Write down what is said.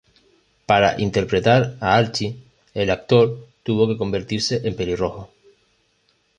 Para interpretar a Archie, el actor tuvo que convertirse en pelirrojo.